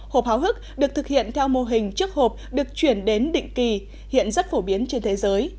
hộp hào hức được thực hiện theo mô hình chiếc hộp được chuyển đến định kỳ hiện rất phổ biến trên thế giới